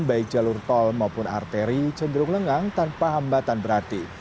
baik jalur tol maupun arteri cenderung lengang tanpa hambatan berarti